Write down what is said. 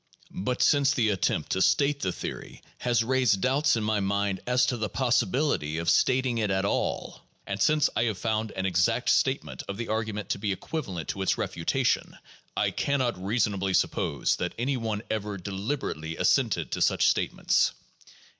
But since the attempt to state the theory has raised doubts in my mind as to the possibility of stating it at all, and since I have found an exact statement of the argument to be equivalent to its refuta tion, I can not reasonably suppose that any one ever deliberately assented to such statements.